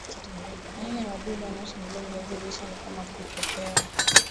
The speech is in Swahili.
aina ya wadudu wanaoshambulia viazi lishe ni kama vipepeo